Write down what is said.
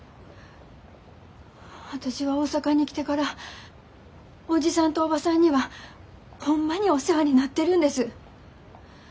私が大阪に来てからおじさんとおばさんにはホンマにお世話になってるんです。